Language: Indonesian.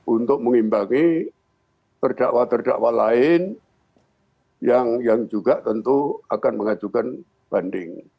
untuk mengimbangi terdakwa terdakwa lain yang juga tentu akan mengajukan banding